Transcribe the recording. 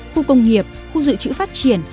khu công nghiệp khu dự trữ phát triển